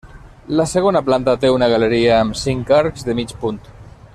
La segona planta té una galeria amb cinc arcs de mig punt.